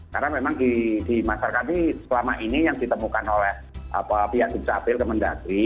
karena memang di masyarakat ini selama ini yang ditemukan oleh pihak juta apel kemendaki